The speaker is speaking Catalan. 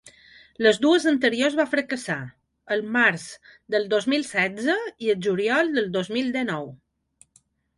Les dues anteriors va fracassar: el març del dos mil setze i el juliol del dos mil dinou.